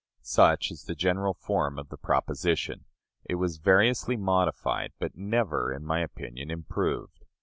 Such is the general form of the proposition. It was variously modified, but never, in my opinion, improved.